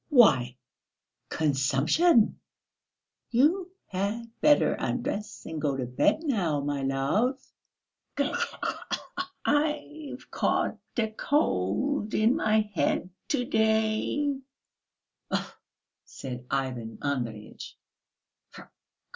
"Why, consumption! You had better undress and go to bed now, my love ... khee khee! I've caught a cold in my head to day." "Ouf!" said Ivan Andreyitch.